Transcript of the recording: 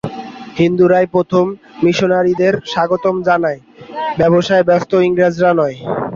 হিন্দুরাই প্রথম মিশনারীদের স্বাগত জানায়, ব্যবসায়ে ব্যস্ত ইংরেজরা নয়।